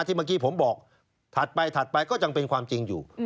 เมื่อกี้ผมบอกถัดไปก็จำเป็นความจริงอยู่